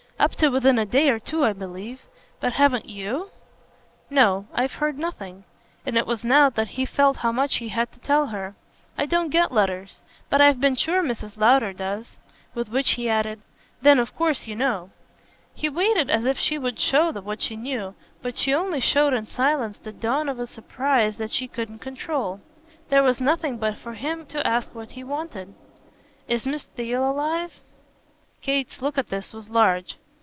"Up to within a day or two I believe. But haven't YOU?" "No I've heard nothing." And it was now that he felt how much he had to tell her. "I don't get letters. But I've been sure Mrs. Lowder does." With which he added: "Then of course you know." He waited as if she would show what she knew; but she only showed in silence the dawn of a surprise that she couldn't control. There was nothing but for him to ask what he wanted. "Is Miss Theale alive?" Kate's look at this was large.